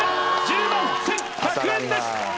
１０万１１００円です！